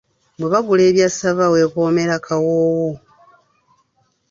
"Bwe bagula ebya ssava, weekoomera kawoowo."